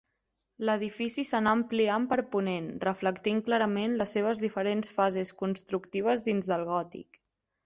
L'edifici s'anà ampliant per ponent reflectint clarament les seves diferents fases constructives dins del gòtic.